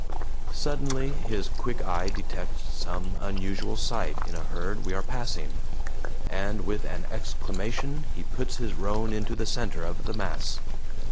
Suddenly his quick eye detects some unusual sight in a herd we are passing, and with an exclamation he puts his roan into the center of the mass.